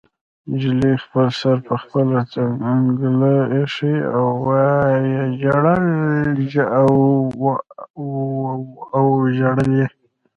نجلۍ خپل سر په خپله څنګله ایښی و او ژړل یې